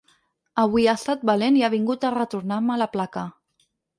Avui ha estat valent i ha vingut a retornar-me la placa.